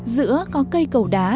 giữa có cây cầu đá